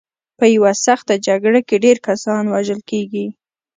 په یوه سخته جګړه کې ډېر کسان وژل کېږي.